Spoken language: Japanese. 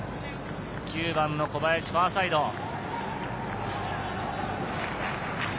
９番の小林、ファーサイド。